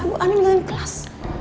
bukannya dia yang ngajar